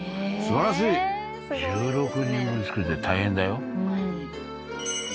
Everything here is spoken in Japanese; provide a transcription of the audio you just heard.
すばらしい１６人分作るって大変だようん